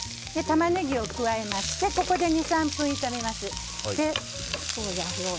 タマネギを加えましてここで２３分炒めます。